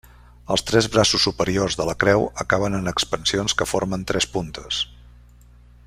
Els tres braços superiors de la creu acaben en expansions que formen tres puntes.